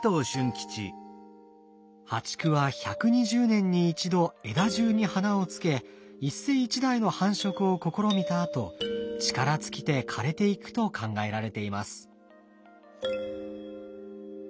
淡竹は１２０年に一度枝じゅうに花をつけ一世一代の繁殖を試みたあと力尽きて枯れていくと考えられています。